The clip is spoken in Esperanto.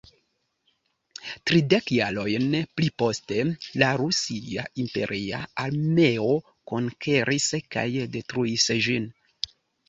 Tridek jarojn pli poste, la rusia imperia armeo konkeris kaj detruis ĝin.